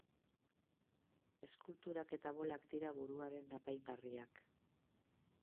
Eskulturak eta bolak dira buruaren apaingarriak.